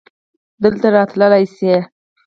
دلته راتللی شې؟